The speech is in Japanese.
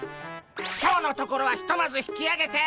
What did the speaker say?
今日のところはひとまず引きあげて。